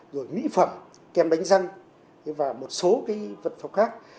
rồi mỹ phẩm kem đánh răng và một số vật phẩm khác